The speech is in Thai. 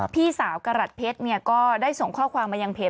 พี่สาวกระหลัดเพชรก็ได้ส่งข้อความมายังเพจ